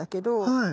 はい。